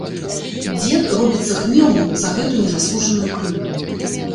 Дзед робіцца гнеўным за гэту незаслужаную крыўду.